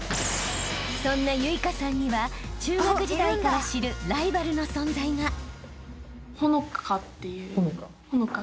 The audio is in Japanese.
［そんな結翔さんには中学時代から知るライバルの存在が］